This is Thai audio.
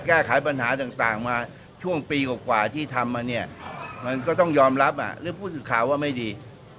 แก้ไขปัญหาต่างมาช่วงปีกว่าที่ทำมาเนี่ยมันก็ต้องยอมรับหรือผู้สื่อข่าวว่าไม่ดี